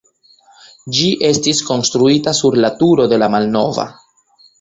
Ĝi estis konstruita sur la turo de la malnova.